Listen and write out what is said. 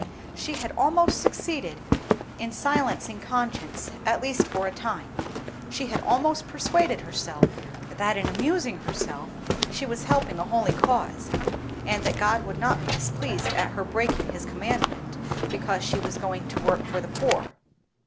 She had almost succeeded in silencing conscience, at least for a time; she had almost persuaded herself that in amusing herself she was helping a holy cause; and that God would not be displeased at her breaking His commandment, because she was going to work for the poor.